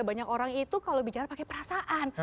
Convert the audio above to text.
banyak orang itu kalau bicara pakai perasaan